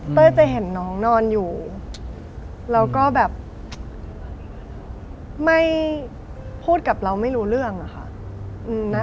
จะเห็นน้องนอนอยู่แล้วก็แบบไม่พูดกับเราไม่รู้เรื่องอะค่ะ